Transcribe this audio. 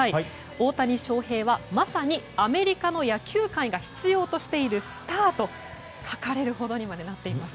大谷翔平はまさにアメリカの野球界が必要としているスターと書かれるほどになっています。